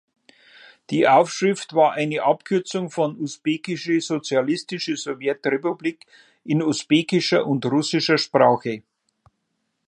Die Aufschrift war eine Abkürzung von "Usbekische Sozialistische Sowjetrepublik" in usbekischer und russischer Sprache.